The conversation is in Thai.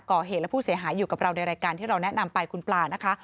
ก่อเหตุและผู้เสียหายอยู่กับเราในรายการที่เราแนะนำไปคุณปลานะคะ